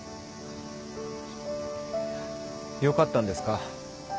よかったんですか？